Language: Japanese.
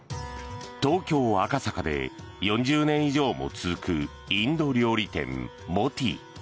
東京・赤坂で４０年以上も続くインド料理店、モティ。